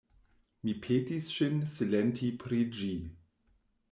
Mi petis ŝin silenti pri ĝi.